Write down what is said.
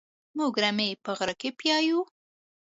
موږ رمې په غره کې پيايو.